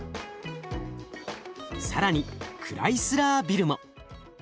更にクライスラービルも。